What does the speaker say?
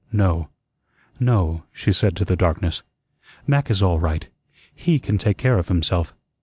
"No, no," she said to the darkness, "Mac is all right. HE can take care of himself."